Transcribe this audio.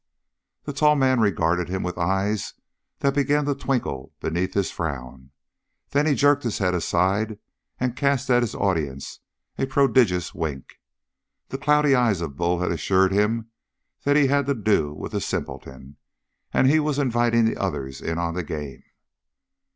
The tall man regarded him with eyes that began to twinkle beneath his frown. Then he jerked his head aside and cast at his audience a prodigious wink. The cloudy eyes of Bull had assured him that he had to do with a simpleton, and he was inviting the others in on the game.